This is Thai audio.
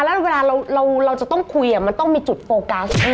แล้วเวลาเราจะต้องคุยมันต้องมีจุดโฟกัส